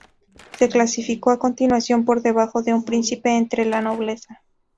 Se clasificó a continuación por debajo de un príncipe entre la nobleza.